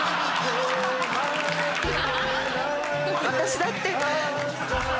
私だって。